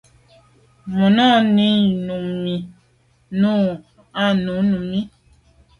Nu nà i mi nu a num i mi.